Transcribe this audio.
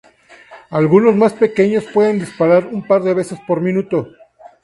Algunos más pequeños pueden disparar un par de veces por minuto.